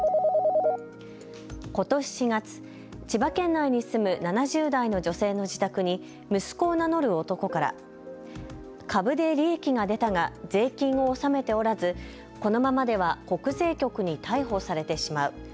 ことし４月、千葉県内に住む７０代の女性の自宅に息子を名乗る男から、株で利益が出たが税金を納めておらずこのままでは国税局に逮捕されてしまう。